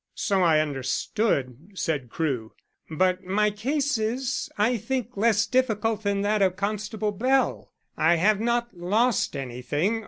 "So I understood," said Crewe. "But my case is, I think, less difficult than that of Constable Bell. I have not lost anything.